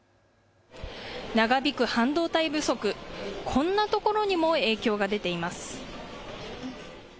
長引く半導体不足、こんなところにも影響が出ています。